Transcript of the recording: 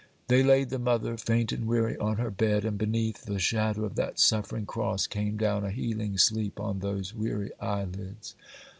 They laid the mother, faint and weary, on her bed, and beneath the shadow of that suffering cross came down a healing sleep on those weary eyelids.